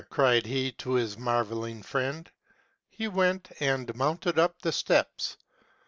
cried he to his marvelling friend. He went, and mounted up the steps.